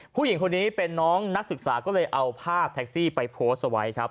ผู้หญิงคนนี้เป็นน้องนักศึกษาก็เลยเอาภาพแท็กซี่ไปโพสต์เอาไว้ครับ